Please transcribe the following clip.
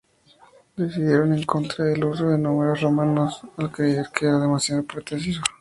Decidieron en contra del uso de números romanos, al creer que era demasiado pretencioso.